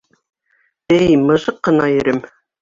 Эй, мыжыҡ ҡына ирем!